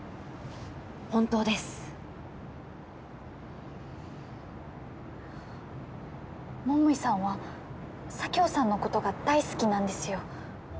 本当です桃井さんは佐京さんのことが大好きなんですよ